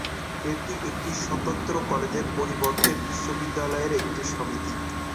এটি একটি স্বতন্ত্র কলেজের পরিবর্তে বিশ্ববিদ্যালয়ের একটি সমিতি।